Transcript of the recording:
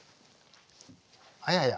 あやや。